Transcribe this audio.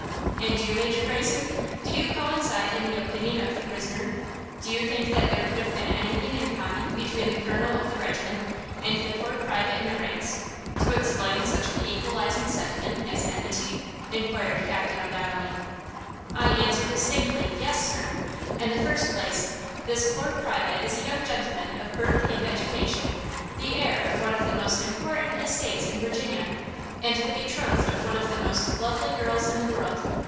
"And you, Major Greyson, do you coincide in the opinion of the prisoner? Do you think that there could have been anything in common between the Colonel of the regiment and the poor private in the ranks, to explain such an equalizing sentiment as enmity?" inquired Captain O'Donnelly. "I answer distinctly, yes, sir! In the first place, this poor private is a young gentleman of birth and education, the heir of one of the most important estates in Virginia, and the betrothed of one of the most lovely girls in the world.